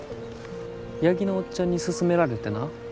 八木のおっちゃんに勧められてな。